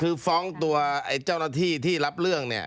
คือฟ้องตัวไอ้เจ้าหน้าที่ที่รับเรื่องเนี่ย